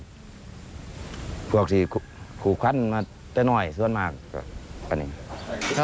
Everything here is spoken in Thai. บางทีผูกพันแต่น้อยส่วนมากก็เป็นอีก